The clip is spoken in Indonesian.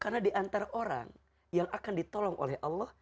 karena diantara orang yang akan ditolong oleh allah